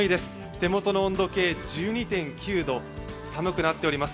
手元の温度計１２．９度寒くなっております。